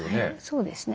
そうですね。